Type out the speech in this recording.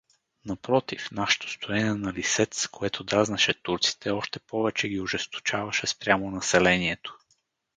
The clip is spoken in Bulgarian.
Напротив, нашето стоене на Лисец, което дразнеше турците, още повече ги ожесточаваше спрямо населението.